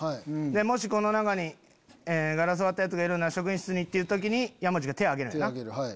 「もしこの中にガラスを割ったヤツがいるなら職員室に」って時に山内が手挙げるんやな。